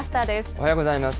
おはようございます。